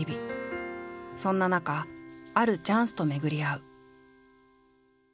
そんな中あるチャンスと巡り合う。